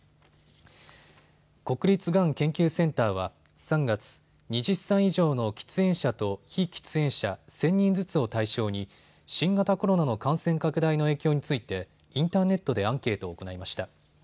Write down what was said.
国立がん研究センターは３月、２０歳以上の喫煙者と非喫煙者１０００人ずつを対象に新型コロナの感染拡大の影響についてインターネットでアンケートを行いました。